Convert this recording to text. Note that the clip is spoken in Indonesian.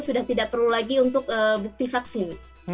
sudah tidak perlu lagi untuk bukti vaksin